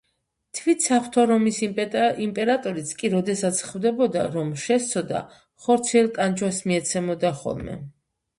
თვით საღვთო რომის იმპერატორიც კი, როდესაც ხვდებოდა, რომ შესცოდა, ხორციელ ტანჯვას მიეცემოდა ხოლმე.